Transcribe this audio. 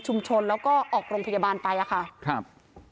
แล้วก็ออกโรงพยาบาลไปอ่ะค่ะครับ